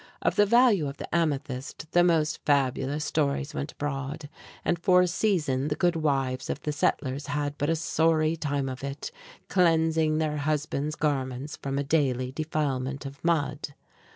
Of the value of the amethyst the most fabulous stories went abroad, and for a season the good wives of the settlers had but a sorry time of it, cleansing their husbands' garments from a daily defilement of mud.